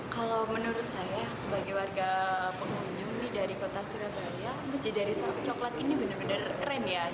kalau menurut saya sebagai warga pengunjung dari kota surabaya masjid dari sarap coklat ini benar benar keren ya